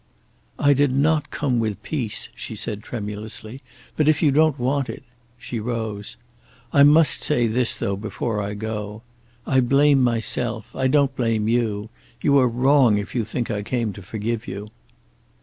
"I did not come with peace," she said tremulously, "but if you don't want it " She rose. "I must say this, though, before I go. I blame myself. I don't blame you. You are wrong if you think I came to forgive you."